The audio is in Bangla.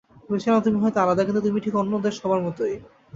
ভেবেছিলাম তুমি হয়তো আলাদা, কিন্তু তুমি ঠিক অন্য সবার মতোই।